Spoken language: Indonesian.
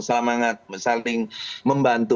semangat saling membantu